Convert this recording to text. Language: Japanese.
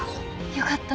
よかった。